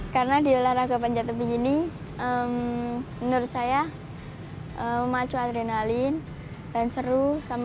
karena di olahraga panjat tebing ini menurut saya memacu adrenalin dan seru